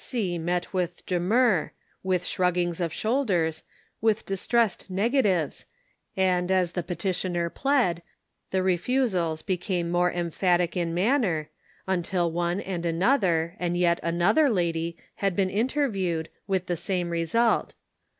see met with demur, with shruggings of shoul ders, with distressed negatives, and, as the petitioner plead, the refusals became more emphatic in manner, until one and another, and yet another lady had been interviewed, with the same result.